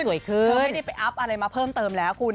เธอไม่ได้ไปอัพอะไรมาเพิ่มเติมแล้วคุณ